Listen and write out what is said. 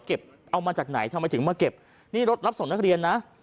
เอามาจากไหนทำไมถึงมาเก็บนี่รถรับส่งนักเรียนนะ